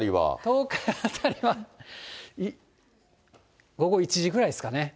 東海辺りは、午後１時ぐらいですかね。